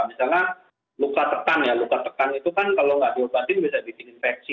misalnya luka tekan ya luka tekan itu kan kalau nggak diobatin bisa bikin infeksi